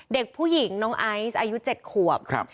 เด็กผู้หญิงน้องไอซ์อายุ๗ขวบ